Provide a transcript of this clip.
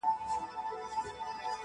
• الاهو دي نازولي دي غوږونه؟ -